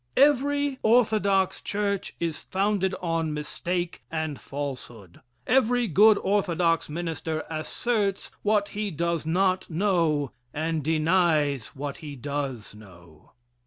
Every orthodox church is founded on mistake and falsehood. Every good orthodox minister asserts what he does not know, and denies what he does know.